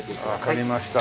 わかりました。